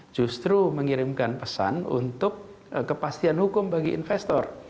justru mengirimkan pesan untuk kepastian hukum bagi investor